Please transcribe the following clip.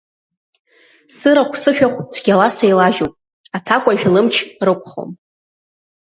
Сырахә-сышәахә цәгьала сеилажьуп, аҭакәажә лымч рықәхом.